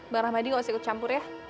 bang rahmadi gak usah ikut campur ya